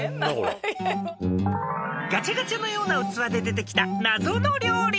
［ガチャガチャのような器で出てきた謎の料理］